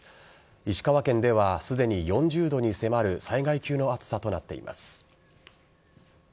石川県では、すでに４０度に迫る災害級の暑さとなっています。